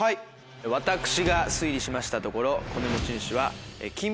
私が推理しましたところこの持ち主は。